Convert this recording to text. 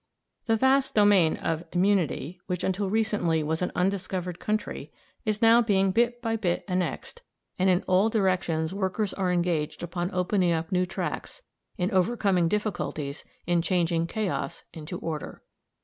The vast domain of immunity, which until recently was an undiscovered country, is now being bit by bit annexed, and in all directions workers are engaged upon opening up new tracts, in overcoming difficulties, in changing chaos into order.